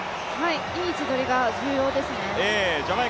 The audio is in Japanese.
いい位置取りが重要ですね。